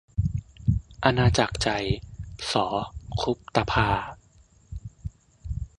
อาณาจักรใจ - ส คุปตาภา